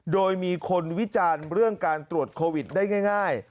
โดยมีคนวิจารณ์เรื่องการตรวจโควิดได้ง่าย